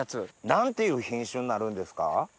何ていう品種になるんですか？